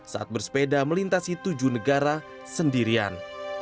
saat bersepeda melintasi tujuh negara sendirian